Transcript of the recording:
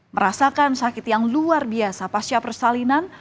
merasakan sakit yang luar biasa pasca persalinan